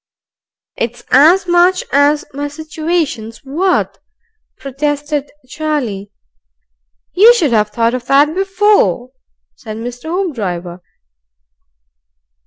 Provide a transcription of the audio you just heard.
"It's as much as my situation's worth," protested Charlie. "You should have thought of that before," said Hoopdriver.